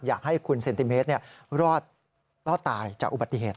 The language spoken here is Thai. อยากให้คุณเซนติเมตรรอดตายจากอุบัติเหตุ